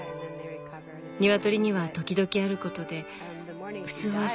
ニワトリには時々あることで普通はすぐに治ります。